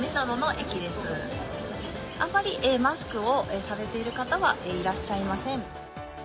あまりマスクをされている方はいらっしゃいません。